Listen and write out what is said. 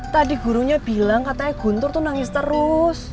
tadi gurunya bilang katanya guntur tuh nangis terus